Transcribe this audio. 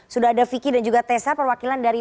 sudah ada vicky dan juga tessa perwakilan dari